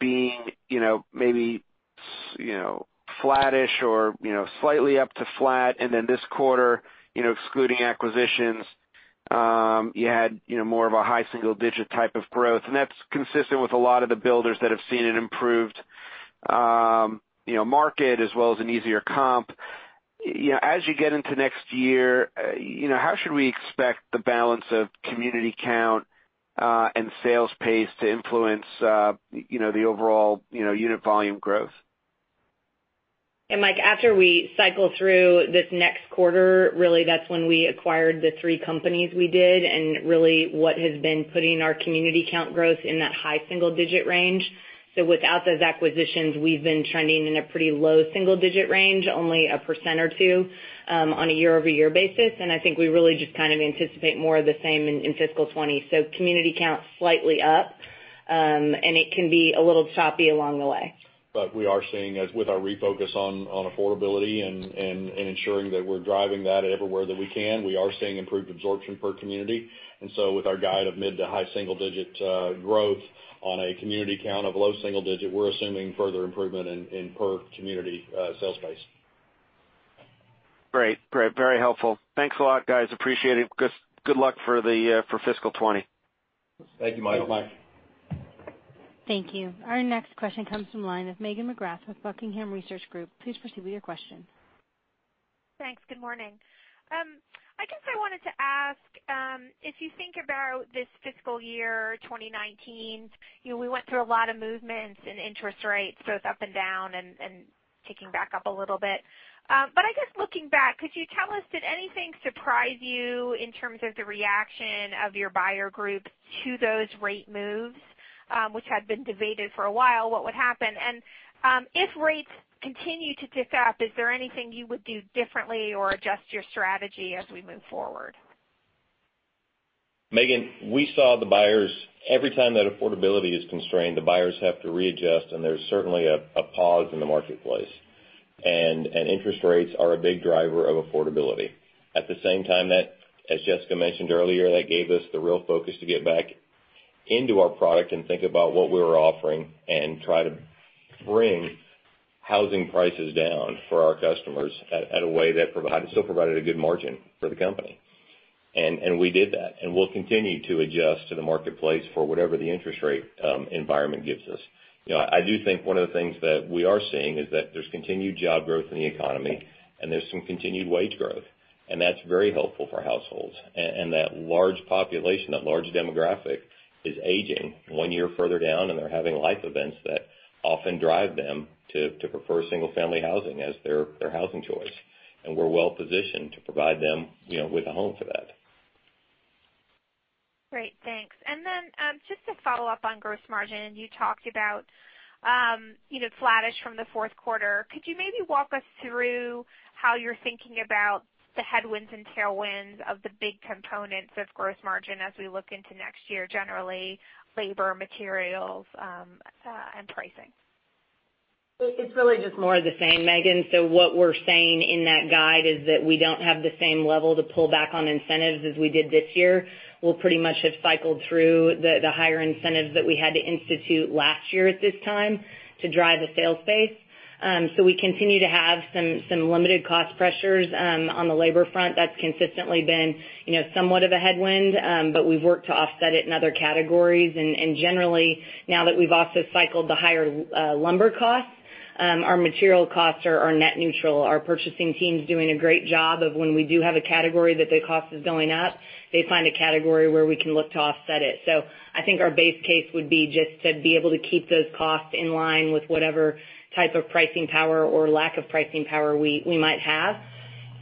being maybe flattish or slightly up to flat, then this quarter, excluding acquisitions, you had more of a high single-digit type of growth. That's consistent with a lot of the builders that have seen an improved market as well as an easier comp. As you get into next year, how should we expect the balance of community count, and sales pace to influence the overall unit volume growth? Mike, after we cycle through this next quarter, really that's when we acquired the three companies we did, and really what has been putting our community count growth in that high single-digit range. Without those acquisitions, we've been trending in a pretty low single-digit range, only 1% or 2% on a year-over-year basis, and I think we really just kind of anticipate more of the same in fiscal 2020. Community count slightly up, and it can be a little choppy along the way. We are seeing, as with our refocus on affordability and ensuring that we're driving that everywhere that we can, we are seeing improved absorption per community. With our guide of mid to high single-digit growth on a community count of low single-digit, we're assuming further improvement in per community sales pace. Great. Very helpful. Thanks a lot, guys. Appreciate it. Good luck for fiscal 2020. Thank you, Michael. Thank you. Our next question comes from the line of Megan McGrath with Buckingham Research Group. Please proceed with your question. Thanks. Good morning. I guess I wanted to ask, if you think about this fiscal year 2019, we went through a lot of movements and interest rates both up and down and ticking back up a little bit. I guess looking back, could you tell us, did anything surprise you in terms of the reaction of your buyer group to those rate moves, which had been debated for a while, what would happen? If rates continue to tick up, is there anything you would do differently or adjust your strategy as we move forward? Megan, we saw the buyers, every time that affordability is constrained, the buyers have to readjust, and there's certainly a pause in the marketplace. Interest rates are a big driver of affordability. At the same time, as Jessica mentioned earlier, that gave us the real focus to get back into our product and think about what we were offering and try to bring housing prices down for our customers at a way that still provided a good margin for the company. We did that, and we'll continue to adjust to the marketplace for whatever the interest rate environment gives us. I do think one of the things that we are seeing is that there's continued job growth in the economy, and there's some continued wage growth, and that's very helpful for households. That large population, that large demographic, is aging one year further down, and they're having life events that often drive them to prefer single-family housing as their housing choice. We're well positioned to provide them with a home for that. Great, thanks. Just to follow up on gross margin, you talked about flattish from the fourth quarter. Could you maybe walk us through how you're thinking about the headwinds and tailwinds of the big components of gross margin as we look into next year, generally, labor, materials, and pricing? It's really just more of the same, Megan. What we're saying in that guide is that we don't have the same level to pull back on incentives as we did this year. We'll pretty much have cycled through the higher incentives that we had to institute last year at this time to drive the sales pace. We continue to have some limited cost pressures on the labor front. That's consistently been somewhat of a headwind, but we've worked to offset it in other categories. Generally, now that we've also cycled the higher lumber costs, our material costs are net neutral. Our purchasing team's doing a great job of when we do have a category that the cost is going up, they find a category where we can look to offset it. I think our base case would be just to be able to keep those costs in line with whatever type of pricing power or lack of pricing power we might have.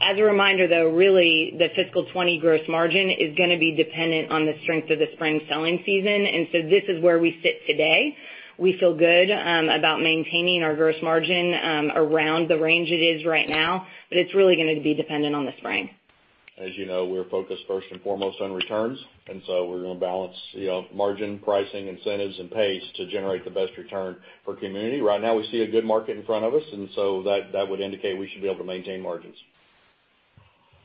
As a reminder, though, really, the fiscal 2020 gross margin is going to be dependent on the strength of the spring selling season. This is where we sit today. We feel good about maintaining our gross margin around the range it is right now, but it's really going to be dependent on the spring. As you know, we're focused first and foremost on returns, and so we're going to balance margin, pricing, incentives, and pace to generate the best return per community. Right now, we see a good market in front of us, and so that would indicate we should be able to maintain margins.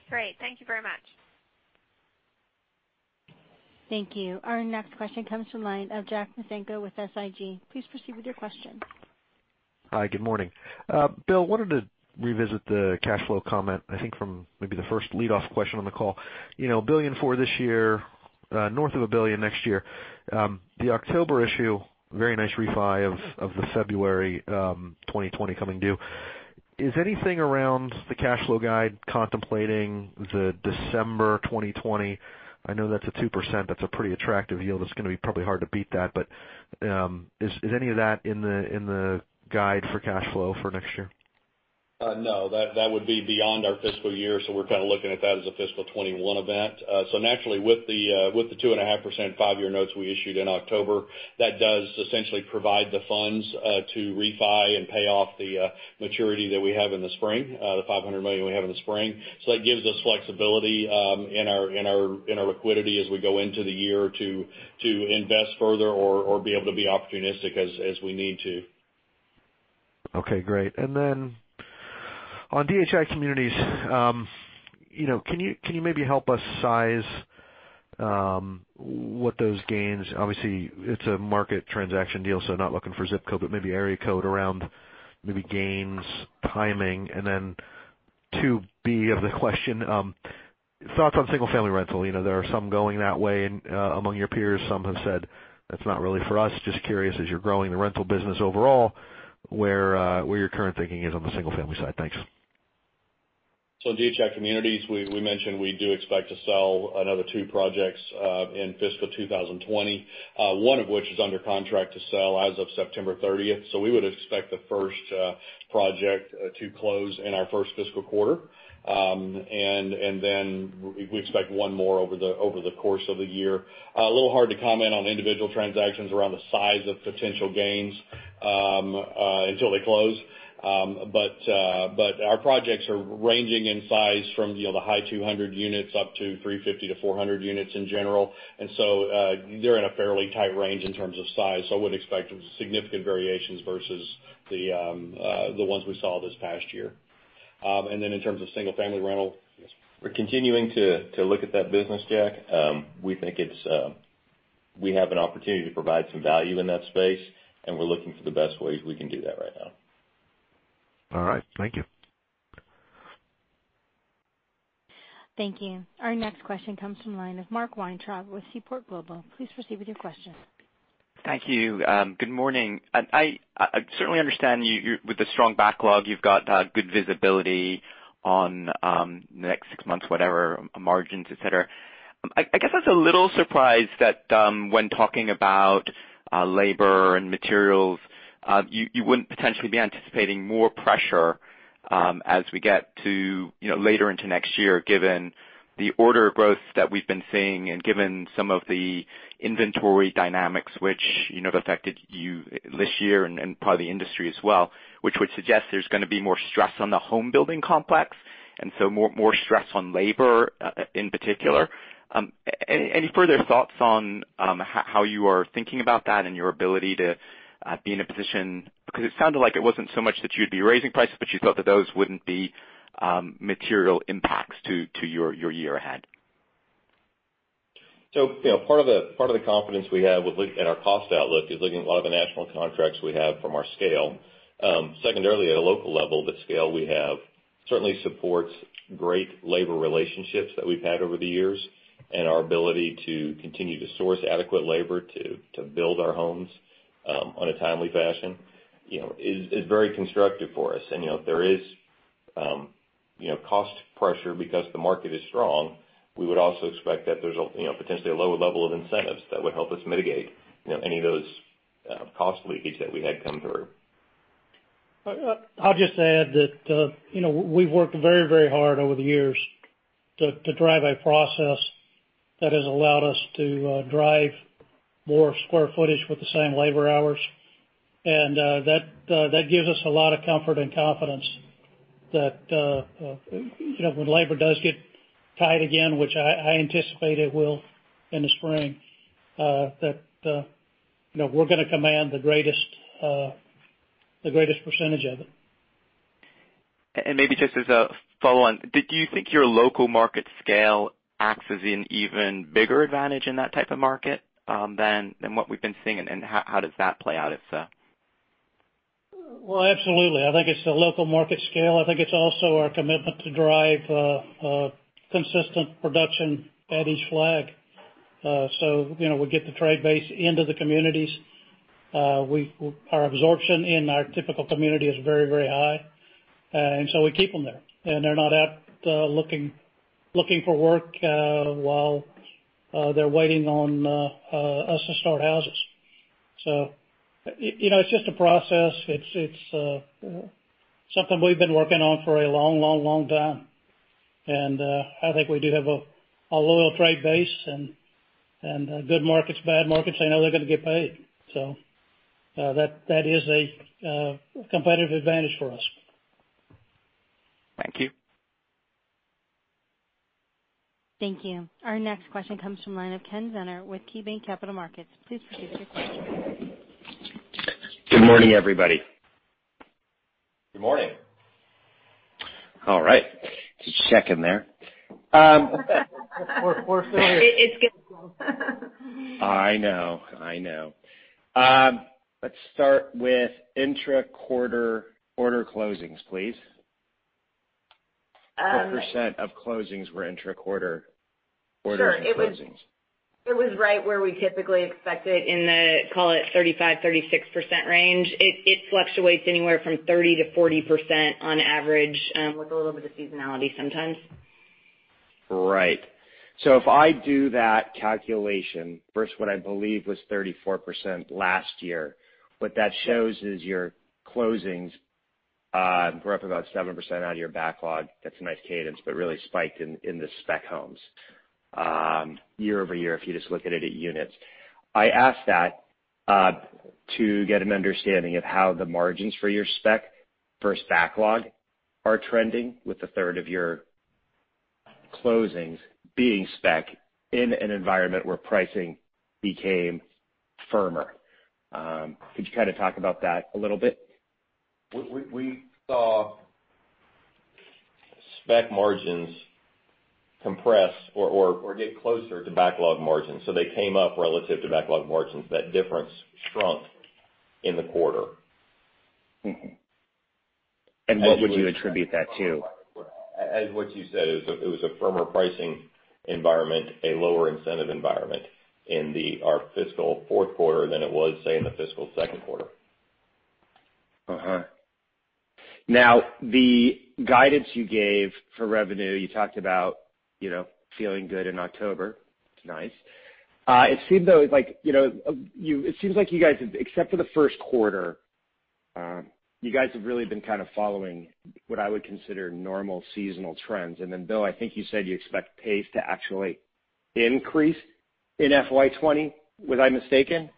Great. Thank you very much. Thank you. Our next question comes from the line of Jack Micenko with SIG. Please proceed with your question. Hi. Good morning. Bill, wanted to revisit the cash flow comment, I think from maybe the first lead-off question on the call. $1 billion for this year, north of $1 billion next year. The October issue, very nice refi of the February 2020 coming due. Is anything around the cash flow guide contemplating the December 2020? I know that's a 2%, that's a pretty attractive yield. It's going to be probably hard to beat that, but is any of that in the guide for cash flow for next year? No. That would be beyond our fiscal year, so we're kind of looking at that as a fiscal 2021 event. Naturally, with the 2.5% five-year notes we issued in October, that does essentially provide the funds to refi and pay off the maturity that we have in the spring, the $500 million we have in the spring. That gives us flexibility in our liquidity as we go into the year to invest further or be able to be opportunistic as we need to. Okay, great. On DHI Communities, can you maybe help us size what those gains, obviously it's a market transaction deal, so not looking for zip code, but maybe area code around maybe gains, timing. 2B of the question. Thoughts on single-family rental. There are some going that way among your peers. Some have said that's not really for us. Just curious, as you're growing the rental business overall, where your current thinking is on the single-family side. Thanks. DHI Communities, we mentioned we do expect to sell another two projects in fiscal 2020. One of which is under contract to sell as of September 30th. We would expect the first project to close in our first fiscal quarter. We expect one more over the course of the year. A little hard to comment on individual transactions around the size of potential gains until they close. Our projects are ranging in size from the high 200 units up to 350-400 units in general. They're in a fairly tight range in terms of size. I would expect significant variations versus the ones we saw this past year. In terms of single-family rental. We're continuing to look at that business, Jack. We think we have an opportunity to provide some value in that space, and we're looking for the best ways we can do that right now. All right. Thank you. Thank you. Our next question comes from the line of Mark Weintraub with Seaport Global. Please proceed with your question. Thank you. Good morning. I certainly understand with the strong backlog, you've got good visibility on the next six months, whatever, margins, et cetera. I guess I was a little surprised that when talking about labor and materials, you wouldn't potentially be anticipating more pressure as we get to later into next year, given the order growth that we've been seeing and given some of the inventory dynamics, which have affected you this year and probably the industry as well. Which would suggest there's going to be more stress on the home building complex, more stress on labor in particular. Any further thoughts on how you are thinking about that and your ability to be in a position? Because it sounded like it wasn't so much that you'd be raising prices, but you thought that those wouldn't be material impacts to your year ahead. Part of the confidence we have with looking at our cost outlook is looking at a lot of the national contracts we have from our scale. Secondarily, at a local level, the scale we have certainly supports great labor relationships that we've had over the years, and our ability to continue to source adequate labor to build our homes on a timely fashion is very constructive for us. If there is cost pressure because the market is strong, we would also expect that there's potentially a lower level of incentives that would help us mitigate any of those cost leakages that we had come through. I'll just add that we've worked very hard over the years to drive a process that has allowed us to drive more square footage with the same labor hours. That gives us a lot of comfort and confidence that when labor does get tight again, which I anticipate it will in the spring, that we're going to command the greatest percentage of it. Maybe just as a follow-on, did you think your local market scale acts as an even bigger advantage in that type of market than what we've been seeing, and how does that play out? Well, absolutely. I think it's the local market scale. I think it's also our commitment to drive consistent production at each flag. We get the trade base into the communities. Our absorption in our typical community is very high, we keep them there, and they're not out looking for work while they're waiting on us to start houses. It's just a process. It's something we've been working on for a long time, and I think we do have a loyal trade base and good markets, bad markets, they know they're going to get paid. That is a competitive advantage for us. Thank you. Thank you. Our next question comes from the line of Ken Zener with KeyBanc Capital Markets. Please proceed with your question. Good morning, everybody. Good morning. All right. Just checking there. We're familiar. It's good. I know. Let's start with intra-quarter order closings, please. What percent of closings were intra-quarter orders and closings? Sure. It was right where we typically expect it in the, call it 35%-36% range. It fluctuates anywhere from 30%-40% on average, with a little bit of seasonality sometimes. Right. If I do that calculation versus what I believe was 34% last year, what that shows is your closings were up about 7% out of your backlog. That's a nice cadence, but really spiked in the spec homes year-over-year, if you just look at it at units. I ask that to get an understanding of how the margins for your spec versus backlog are trending with a third of your closings being spec in an environment where pricing became firmer. Could you kind of talk about that a little bit? We saw spec margins compress or get closer to backlog margins. They came up relative to backlog margins. That difference shrunk in the quarter. What would you attribute that to? As what you said, it was a firmer pricing environment, a lower incentive environment in our fiscal fourth quarter than it was, say, in the fiscal second quarter. The guidance you gave for revenue, you talked about feeling good in October. That's nice. It seems like you guys, except for the first quarter, you guys have really been kind of following what I would consider normal seasonal trends. Bill, I think you said you expect pace to actually increase in FY 2020. Was I mistaken?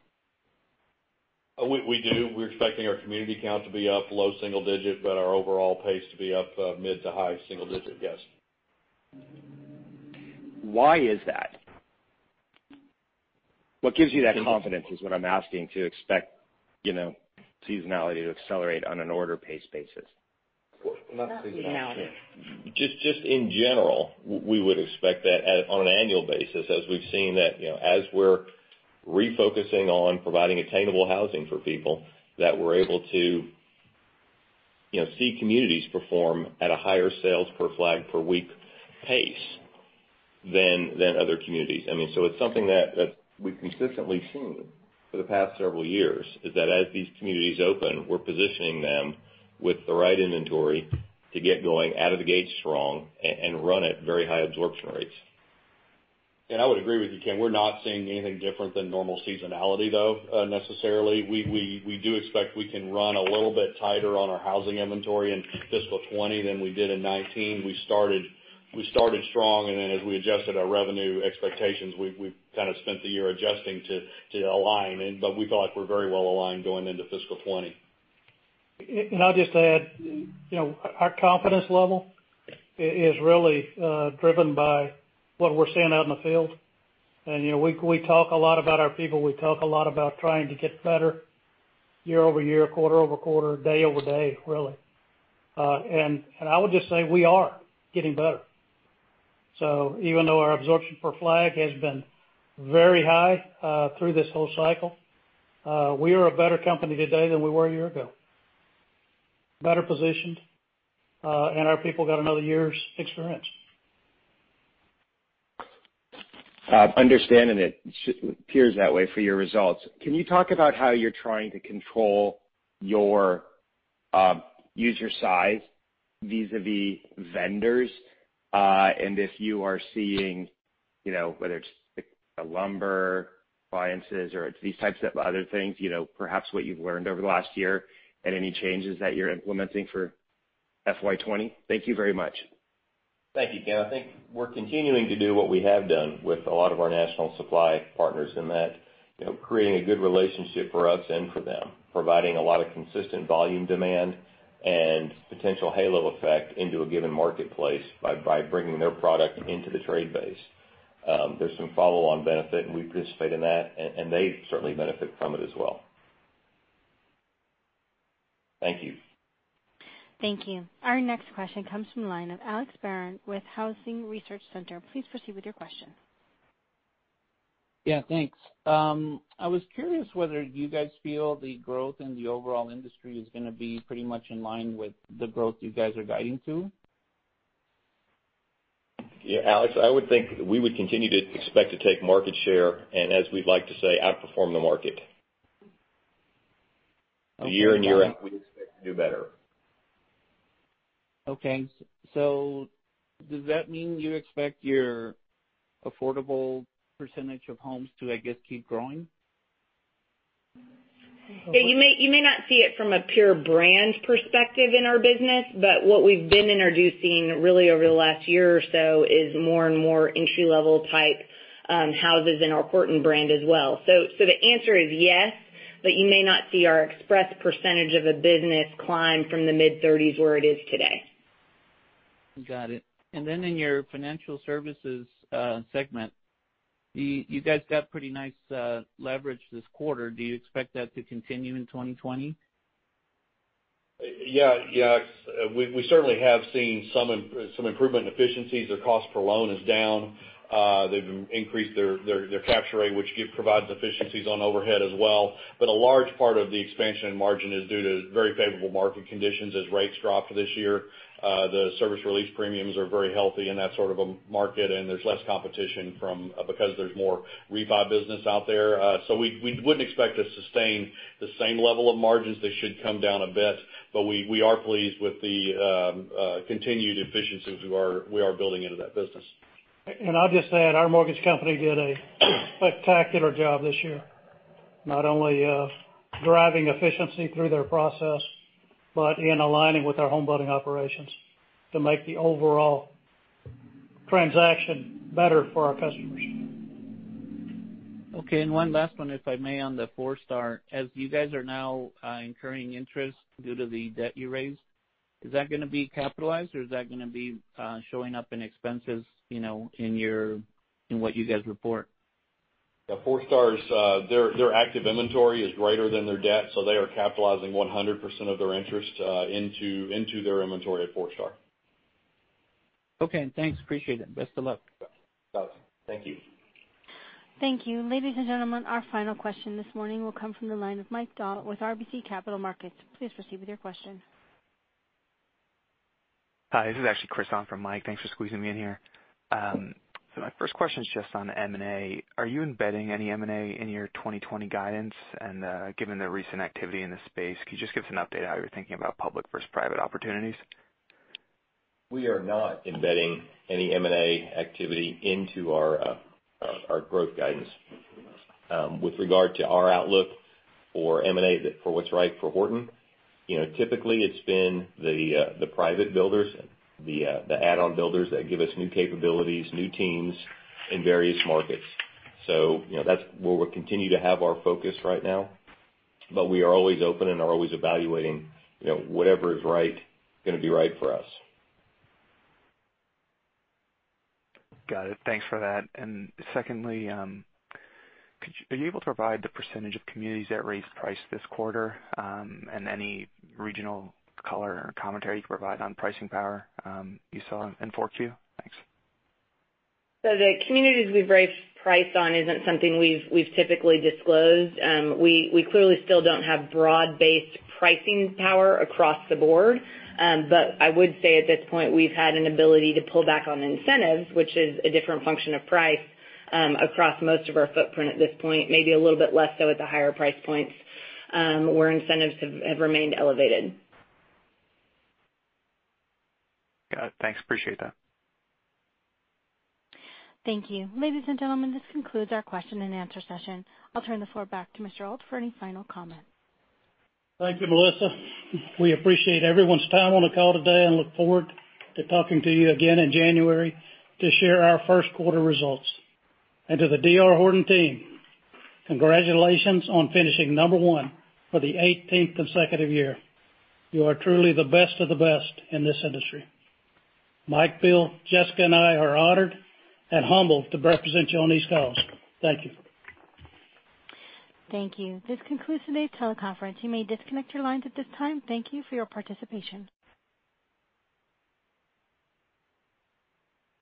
We do. We're expecting our community count to be up low single digit, but our overall pace to be up, mid to high single digit. Yes. Why is that? What gives you that confidence, is what I'm asking, to expect seasonality to accelerate on an order pace basis? Not seasonality. Just in general, we would expect that on an annual basis, as we've seen that as we're refocusing on providing attainable housing for people, that we're able to see communities perform at a higher sales per flag per week pace than other communities. It's something that we've consistently seen for the past several years, is that as these communities open, we're positioning them with the right inventory to get going out of the gate strong and run at very high absorption rates. I would agree with you, Ken. We're not seeing anything different than normal seasonality, though, necessarily. We do expect we can run a little bit tighter on our housing inventory in fiscal 2020 than we did in 2019. We started strong, and then as we adjusted our revenue expectations, we've kind of spent the year adjusting to align. We feel like we're very well aligned going into fiscal 2020. I'll just add, our confidence level is really driven by what we're seeing out in the field. We talk a lot about our people. We talk a lot about trying to get better year-over-year, quarter-over-quarter, day-over-day, really. I would just say we are getting better. Even though our absorption per flag has been very high through this whole cycle, we are a better company today than we were a year ago. Better positioned, and our people got another year's experience. Understanding it appears that way for your results. Can you talk about how you're trying to control your (cost size) vis-a-vis vendors? If you are seeing, whether it's lumber, appliances, or it's these types of other things, perhaps what you've learned over the last year and any changes that you're implementing for FY 2020. Thank you very much. Thank you, Ken. I think we're continuing to do what we have done with a lot of our national supply partners in that, creating a good relationship for us and for them. Providing a lot of consistent volume demand and potential halo effect into a given marketplace by bringing their product into the trade base. There's some follow-on benefit, and we participate in that, and they certainly benefit from it as well. Thank you. Thank you. Our next question comes from the line of Alex Barron with Housing Research Center. Please proceed with your question. Thanks. I was curious whether you guys feel the growth in the overall industry is going to be pretty much in line with the growth you guys are guiding to. Yeah, Alex, I would think we would continue to expect to take market share, and as we'd like to say, outperform the market. Year in, year out, we expect to do better. Okay. Does that mean you expect your affordable percentage of homes to, I guess, keep growing? You may not see it from a pure brand perspective in our business, but what we've been introducing really over the last year or so is more and more entry-level type houses in our D.R. Horton brand as well. The answer is yes, but you may not see our Express percentage of the business climb from the mid-30s where it is today. Got it. Then in your financial services segment, you guys got pretty nice leverage this quarter. Do you expect that to continue in 2020? Yeah, Alex, we certainly have seen some improvement in efficiencies. Their cost per loan is down. They've increased their capture rate, which provides efficiencies on overhead as well. A large part of the expansion in margin is due to very favorable market conditions as rates dropped for this year. The service released premiums are very healthy in that sort of a market, and there's less competition because there's more refi business out there. We wouldn't expect to sustain the same level of margins. They should come down a bit. We are pleased with the continued efficiencies we are building into that business. I'll just add, our mortgage company did a spectacular job this year, not only of driving efficiency through their process, but in aligning with our homebuilding operations to make the overall transaction better for our customers. Okay, one last one, if I may, on the Forestar Group. As you guys are now incurring interest due to the debt you raised, is that going to be capitalized, or is that going to be showing up in expenses in what you guys report? Yeah, Forestar Group, their active inventory is greater than their debt, so they are capitalizing 100% of their interest into their inventory at Forestar Group. Okay. Thanks. Appreciate it. Best of luck. Got it. Thank you. Thank you. Ladies and gentlemen, our final question this morning will come from the line of Mike Dahl with RBC Capital Markets. Please proceed with your question. Hi, this is actually Chris on from Mike. Thanks for squeezing me in here. My first question is just on M&A. Are you embedding any M&A in your 2020 guidance? Given the recent activity in this space, could you just give us an update how you're thinking about public versus private opportunities? We are not embedding any M&A activity into our growth guidance. With regard to our outlook for M&A, for what's right for D.R. Horton, typically it's been the private builders, the add-on builders that give us new capabilities, new teams in various markets. That's where we'll continue to have our focus right now, but we are always open and are always evaluating whatever is right, going to be right for us. Got it. Thanks for that. Secondly, are you able to provide the percentage of communities that raised price this quarter? Any regional color or commentary you can provide on pricing power you saw in 4Q? Thanks. The communities we've raised price on isn't something we've typically disclosed. We clearly still don't have broad-based pricing power across the board. I would say at this point, we've had an ability to pull back on incentives, which is a different function of price, across most of our footprint at this point. Maybe a little bit less so at the higher price points, where incentives have remained elevated. Got it. Thanks. Appreciate that. Thank you. Ladies and gentlemen, this concludes our question and answer session. I'll turn the floor back to Mr. Auld for any final comments. Thank you, Melissa. We appreciate everyone's time on the call today and look forward to talking to you again in January to share our first quarter results. To the D.R. Horton team, congratulations on finishing number one for the 18th consecutive year. You are truly the best of the best in this industry. Mike, Bill, Jessica, and I are honored and humbled to represent you on these calls. Thank you. Thank you. This concludes today's teleconference. You may disconnect your lines at this time. Thank you for your participation.